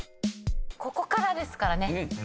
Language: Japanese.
ここからですからね。